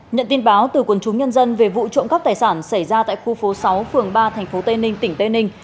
nhận tin báo từ quần chúng nhân dân về vụ trộm cắp tài sản xảy ra tại khu phố sáu phường ba tp tây ninh tỉnh tây ninh